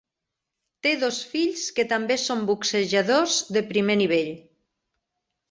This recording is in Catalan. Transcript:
Té dos fills que també son boxejadors de primer nivell.